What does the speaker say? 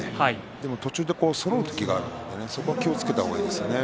でも途中でそろう時があるのでそれは気をつけた方がいいですね。